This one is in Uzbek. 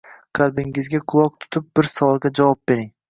Qalbingizga quloq tutib, bir savolga javob bering: